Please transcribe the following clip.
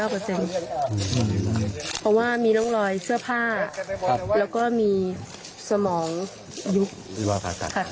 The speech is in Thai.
เพราะว่ามีล้องลอยเสื้อผ้าและก็มีสมองยุค